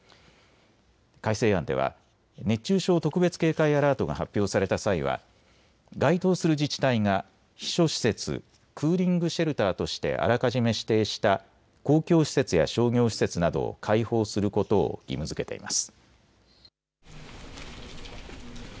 改正案では熱中症特別警戒アラートが発表された際は該当する自治体が避暑施設、クーリングシェルターとしてあらかじめ指定した公共施設や商業施設などを開放することを義務づけています。